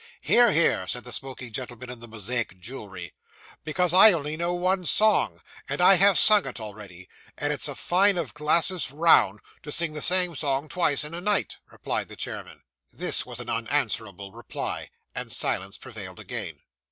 'Hear! hear!' said the smoking gentleman, in the Mosaic jewellery. 'Because I only know one song, and I have sung it already, and it's a fine of "glasses round" to sing the same song twice in a night,' replied the chairman. This was an unanswerable reply, and silence prevailed again.